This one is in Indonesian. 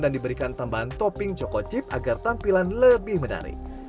dan diberikan tambahan topping coko chip agar tampilan lebih menarik